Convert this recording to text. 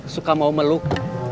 suka mau meluk